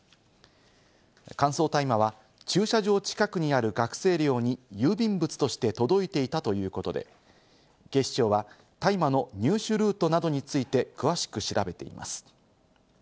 乾燥大麻は駐車場近くにある学生寮に郵便物として届いていたということで、警視庁は大麻の入手ルートなどについて詳しく調べています。